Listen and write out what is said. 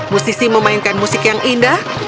musisi memainkan musik yang indah